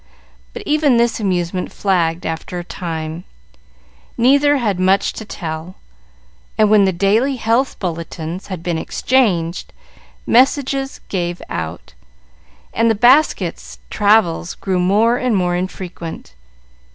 But even this amusement flagged after a time; neither had much to tell, and when the daily health bulletins had been exchanged, messages gave out, and the basket's travels grew more and more infrequent.